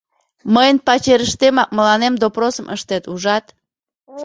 — Мыйын пачерыштемак мыланем допросым ыштет, ужат?